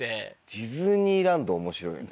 ディズニーランド面白いね。